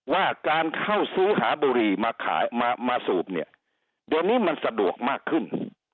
ว่าการเข้าซื้อหาบุหรี่มาขายมาสูบเนี่ยเดี๋ยวนี้มันสะดวกมากขึ้น